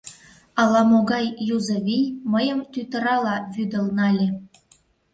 Ала-могай юзо вий мыйым тӱтырала вӱдыл нале.